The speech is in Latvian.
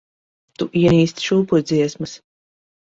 Tu ienīsti šūpuļdziesmas.